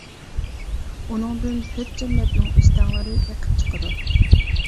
ئۇنىڭدىن تۆت جەننەتنىڭ ئۆستەڭلىرى ئېقىپ چىقىدۇ.